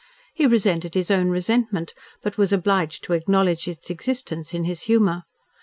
He resented his own resentment, but was obliged to acknowledge its existence in his humour.